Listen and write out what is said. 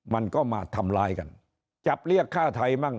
มันก็มาทำร้ายกันจับเรียกฆ่าไทยมั่ง